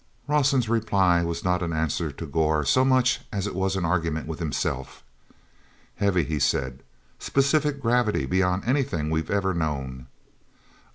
Rawson's reply was not an answer to Gor so much as it was an argument with himself. "Heavy," he said. "Specific gravity beyond anything we've ever known.